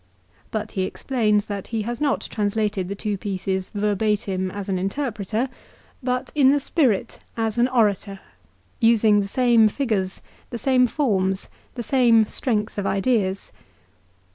But he explains that he has not translated the two pieces verbatim as an interpreter, but in the spirit, as an orator, using the same figures, the same forms, the same strength of ideas.